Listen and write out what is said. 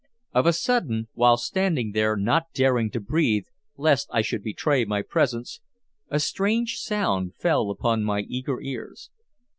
Of a sudden, while standing there not daring to breathe lest I should betray my presence, a strange sound fell upon my eager ears.